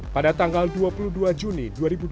pada tanggal dua puluh dua juni dua ribu dua puluh